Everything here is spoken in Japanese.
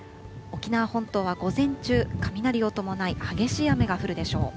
沖縄本島は午前中、雷を伴い、激しい雨が降るでしょう。